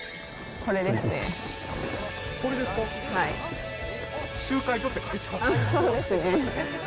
これですか？